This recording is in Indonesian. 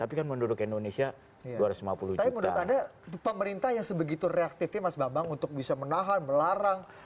indonesia dua ratus lima puluh juta pemerintah yang sebegitu reaktifnya mas babang untuk bisa menahan melarang